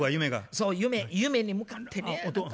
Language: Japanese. そう夢に向かってね何か。